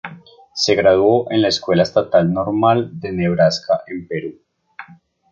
Se graduó en la Escuela Estatal Normal de Nebraska en Peru.